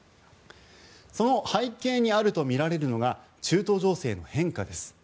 その背景にあるとみられるのが中東情勢の変化です。